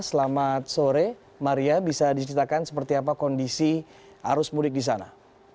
selamat sore maria bisa diceritakan seperti apa kondisi arus mudik di sana